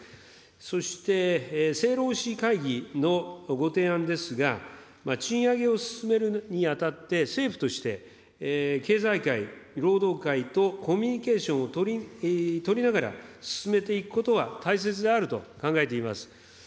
そして、政労使会議のご提案ですが、賃上げを進めるにあたって、政府として、経済界、労働界とコミュニケーションを取りながら進めていくことが大切であると考えています。